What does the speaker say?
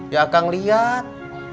ya akang liat